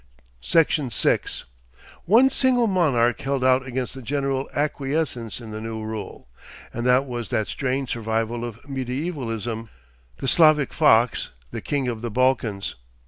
Section 6 One single monarch held out against the general acquiescence in the new rule, and that was that strange survival of mediaevalism, the 'Slavic Fox,' the King of the Balkans.